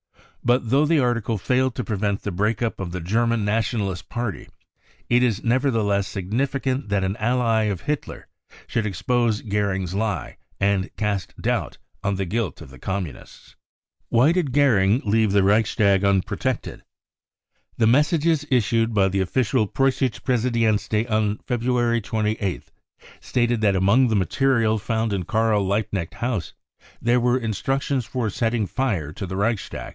But though the article failed to prevent the break up of the German Nationalist Party, it is nevertheless significant that an ally of Hitler I should expose Goering's lie and cast doubt on the guilt of the Communists. * Why did Goering leave the Reichstag unprotected ? The messages issued by the official Preussische Presscdienst on February 28th stated that among the material found in Karl Liebknecht House there were instructions for setting fire to the Reichstag.